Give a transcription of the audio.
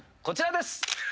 こちらです！